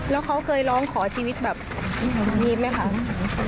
แล้วเขาเคยร้องขอชีวิตแบบยิ้มไหมคะ